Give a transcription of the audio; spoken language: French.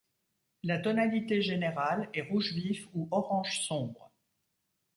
La tonalité générale est rouge vif ou orange sombre.